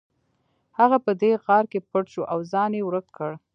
هغه په دې غار کې پټ شو او ځان یې ورک کړ